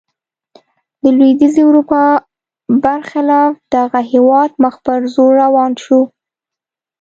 د لوېدیځې اروپا برخلاف دغه هېواد مخ پر ځوړ روان شو.